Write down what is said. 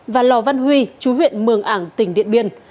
và lò văn huy chú huyện mường ảng tỉnh điện biên